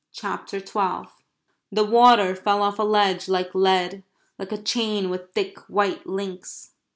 CHAPTER TWELVE The water fell off a ledge like lead like a chain with thick white links.